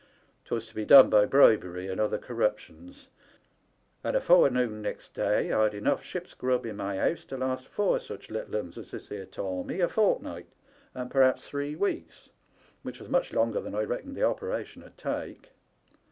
'Twas to be done by bribery and other corruptions, and afore noon next day I'd enough ship's grub in my house to last four such little 'uns as this here Tommy a fort* night, and perhaps three weeks, which was much longer than I reckoned the operation 'ud take.